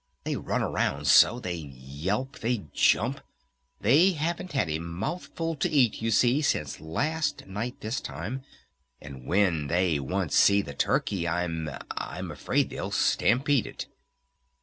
They run around so! They yelp! They jump! They haven't had a mouthful to eat, you see, since last night, this time! And when they once see the turkey I'm I'm afraid they'll stampede it."